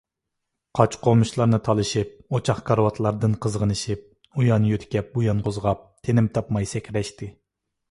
قاچا - قومۇچلارنى تالىشىپ، ئوچاق، كارىۋاتلاردىن قىزغىنىشىپ، ئۇيان يۆتكەپ - بۇيان قوزغاپ، تىنىم تاپماي سەكرەشتى.